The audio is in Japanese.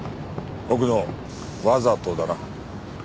奥野わざとだな？